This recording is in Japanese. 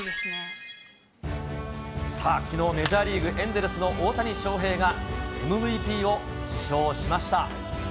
きのう、メジャーリーグ・エンゼルスの大谷翔平がＭＶＰを受賞しました。